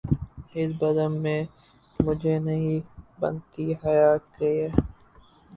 اس بزم میں مجھے نہیں بنتی حیا کیے